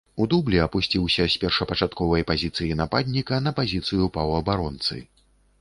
У дублі апусціўся з першапачатковай пазіцыі нападніка на пазіцыю паўабаронцы.